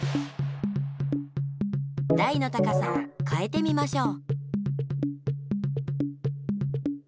台の高さをかえてみましょう。